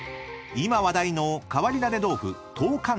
［今話題の変わり種豆腐豆干絲］